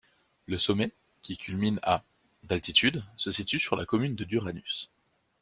Le sommet, qui culmine à d'altitude, se situe sur la commune de Duranus.